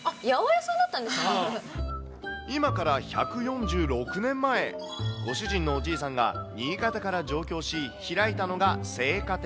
今から１４６年前、ご主人のおじいさんが新潟から上京し、開いたのが青果店。